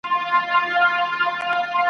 نا آشنا سور ته مو ستونی نه سمیږي `